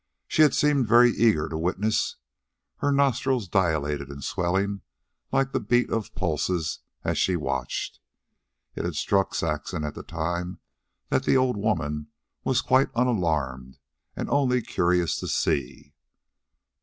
She had seemed very eager to witness, her nostrils dilated and swelling like the beat of pulses as she watched. It had struck Saxon at the time that the old woman was quite unalarmed and only curious to see.